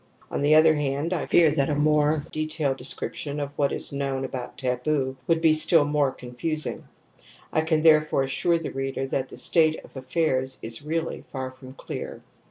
On the other hand I fear that a more detailed description of what is known about S6 TOTEM AND TABOO taboo would be still more confusing ; I can therefore assure the reader that the state of affairs is really far from clear.